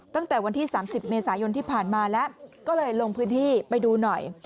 ตั้งแต่วันที่๓๐เมษายนที่ผ่านมาแล้วก็เลยลงพื้นที่ไปดูหน่อย